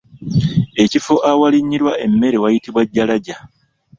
Ekifo awalinnyirwa emmeere wayitibwa Jalaja.